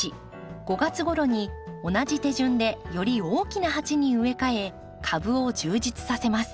５月ごろに同じ手順でより大きな鉢に植え替え株を充実させます。